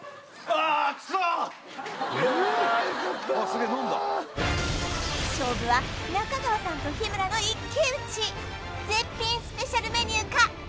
あすげえ飲んだ勝負は中川さんと日村の一騎討ち絶品スペシャルメニューか？